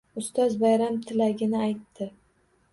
Ustoz bayram tilagini aytdi.